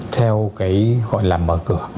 theo cái gọi là mở cửa